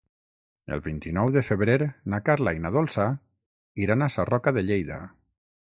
El vint-i-nou de febrer na Carla i na Dolça iran a Sarroca de Lleida.